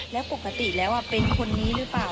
แล้วปกติแล้วเป็นคนนี้หรือเปล่า